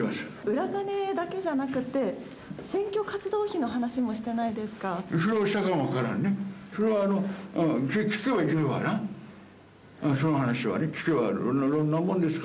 裏金だけじゃなくて、選挙活動費の話もしてないですか？